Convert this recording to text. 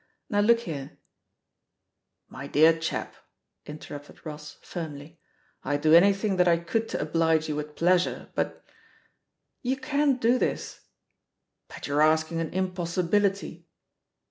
Now look here " "JMy dear chap/' interrupted Ross firmly, "I'd do anything that I could to oblige you with pleasure, but " "You can.do this I'" r r "But you*!re asking an impossibility!